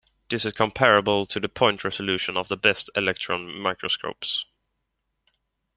This is comparable to the point resolution of the best electron microscopes.